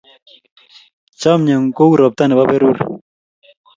Chamyengung ko u ropta nebo perur